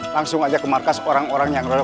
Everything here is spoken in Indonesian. langsung aja ke markas orang orang yang roda taslim